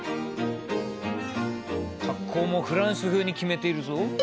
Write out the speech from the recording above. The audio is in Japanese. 格好もフランス風に決めているぞ。